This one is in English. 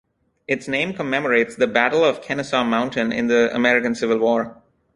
Its name commemorates the Battle of Kennesaw Mountain in the American Civil War.